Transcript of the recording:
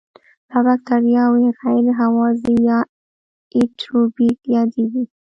دا بکټریاوې غیر هوازی یا انئیروبیک یادیږي.